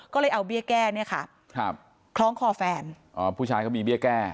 ก็เลยเอาเบี้ยแก้เนี่ยค่ะครับคล้องคอแฟนอ๋อผู้ชายเขามีเบี้ยแก้